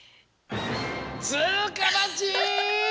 つうかまち！